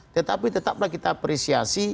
tetapi tetap kita apresiasi